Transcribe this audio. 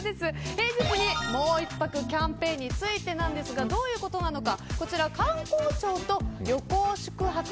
平日にもう１泊キャンペーンについてなんですがどういうことなのか。